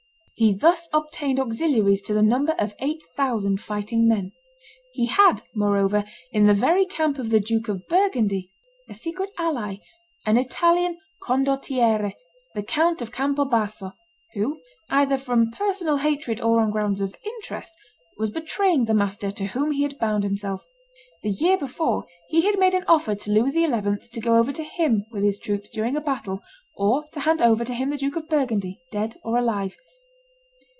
He thus obtained auxiliaries to the number of eight thousand fighting men. He had, moreover, in the very camp of the Duke of Burgundy, a secret ally, an Italian condottiere, the Count of Campo Basso, who, either from personal hatred or on grounds of interest, was betraying the master to whom he had bound himself. The year before, he had made an offer to Louis XI. to go over to him with his troops during a battle, or to hand over to him the Duke of Burgundy, dead or alive.